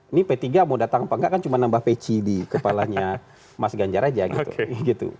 ini p tiga mau datang apa enggak kan cuma nambah peci di kepalanya mas ganjar aja gitu